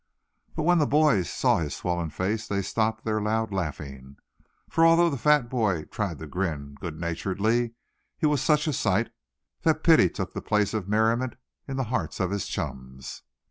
But when the boys saw his swollen face they stopped their loud laughing; for although the fat boy tried to grin good naturedly, he was such a sight that pity took the place of merriment in the hearts of his chums.